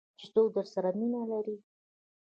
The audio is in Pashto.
چې څوک درسره مینه لري .